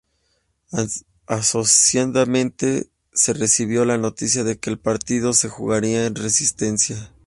Ansiosamente se recibió la noticia de que el partido se jugaría en Resistencia.